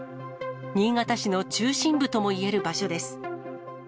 新潟市の中心部ともいえる場所です。